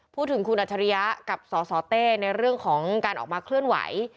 พูดถึงคุณอัจฉริยะกับสสเต้ในเรื่องของการออกมาเคลื่อนไหว